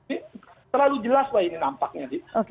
ini terlalu jelas lah ini nampaknya nih